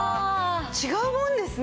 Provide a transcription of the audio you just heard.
違うもんですね。